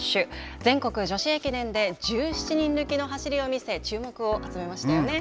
全国女子駅伝で１７人抜きの走りを見せ注目を集めましたよね。